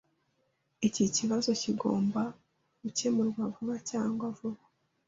Iki kibazo kigomba gukemurwa vuba cyangwa vuba.